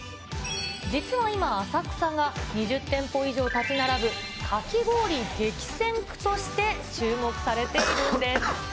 実は今、浅草が２０店舗以上建ち並ぶかき氷激戦区として注目されているんです。